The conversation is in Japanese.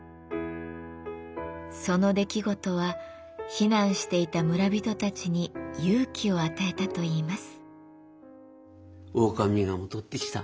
その出来事は避難していた村人たちに勇気を与えたといいます。